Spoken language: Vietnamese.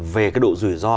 về cái độ rủi ro